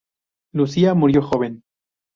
Lucia murió joven.